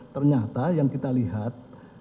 ternyata yang kita lihat